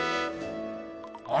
あれ？